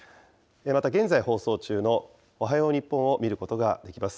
また、現在放送中のおはよう日本を見ることができます。